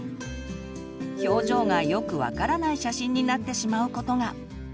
表情がよく分からない写真になってしまうことが。